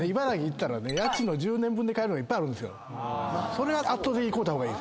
それは圧倒的に買うた方がいい。